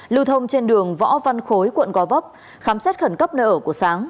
lưu thông trên đường võ văn khối quận gò vấp khám xét khẩn cấp nơi ở của sáng